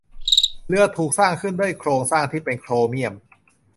เรือถูกสร้างขึ้นด้วยโครงสร้างที่เป็นโครเมี่ยม